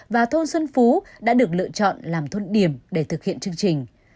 và thôn xuân phú đã được lựa chọn làm thôn điểm để thực hiện chương trình